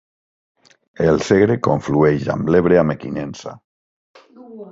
El Segre conflueix amb l'Ebre a Mequinensa.